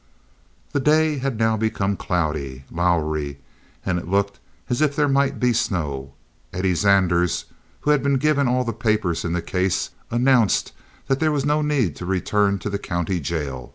The day had now become cloudy, lowery, and it looked as if there might be snow. Eddie Zanders, who had been given all the papers in the case, announced that there was no need to return to the county jail.